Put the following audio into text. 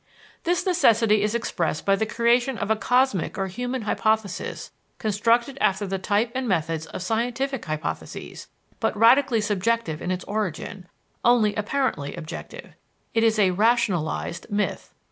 This necessity is expressed by the creation of a cosmic or human hypothesis constructed after the type and methods of scientific hypotheses, but radically subjective in its origin only apparently objective. _It is a rationalized myth.